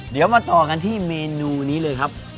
เดี๋ยวมาต่อกันที่เมนูนี้เลยครับ